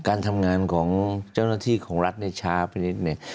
การทำงานของเจ้าหน้าที่ของรัฐได้ช้าไปนิดหนึ่ง